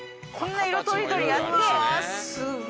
こんな色とりどりあって。